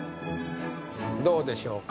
どうでしょうか？